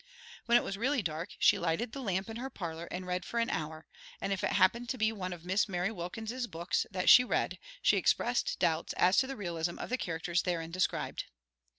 When it was really dark she lighted the lamp in her parlor and read for an hour, and if it happened to be one of Miss Mary Wilkins's books that she read she expressed doubts as to the realism of the characters therein described.